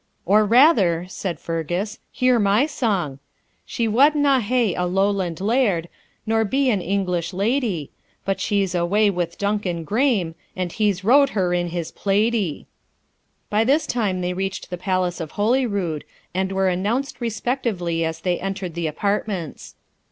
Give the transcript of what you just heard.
'Or rather,' said Fergus, 'hear my song: She wadna hae a Lowland laird, Nor be an English lady; But she's away with Duncan Grame, And he's row'd her in his plaidy.' By this time they reached the palace of Holyrood, and were announced respectively as they entered the apartments.